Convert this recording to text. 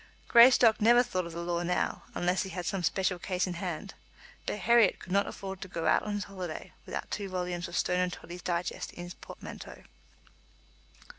Greystock never thought of the law now, unless he had some special case in hand; but Herriot could not afford to go out on his holiday without two volumes of Stone and Toddy's Digest in his portmanteau.